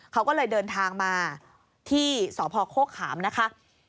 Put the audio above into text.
เขาก็เลยเดินทางมาที่สพโฆขามนะคะ